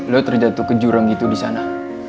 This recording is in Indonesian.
lo terjatuh ke jurang gitu disana